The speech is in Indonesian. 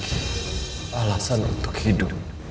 dan lagi alasan untuk hidup